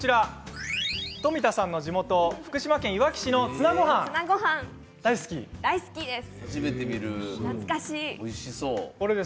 富田さんの地元福島県いわき市の大好きです。